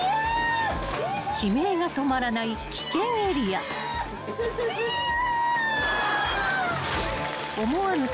［悲鳴が止まらない危険エリア］［ざっくざく］